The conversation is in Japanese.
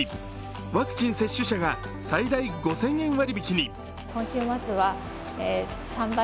ワクチン接種者が最大５０００円割引に。